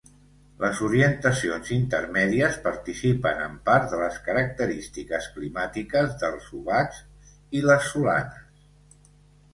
Les orientacions intermèdies participen en part de les característiques climàtiques dels obacs i les solanes.